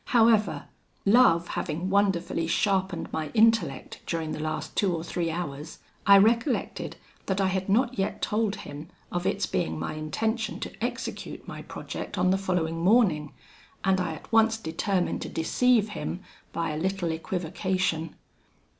However, love having wonderfully sharpened my intellect during the last two or three hours, I recollected that I had not yet told him of its being my intention to execute my project on the following morning, and I at once determined to deceive him by a little equivocation.